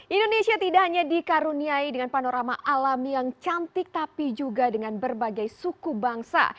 indonesia tidak hanya dikaruniai dengan panorama alam yang cantik tapi juga dengan berbagai suku bangsa